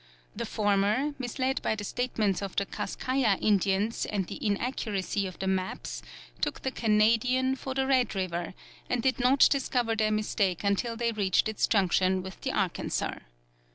The former, misled by the statements of the Kaskaia Indians and the inaccuracy of the maps, took the Canadian for the Red River, and did not discover their mistake until they reached its junction with the Arkansas.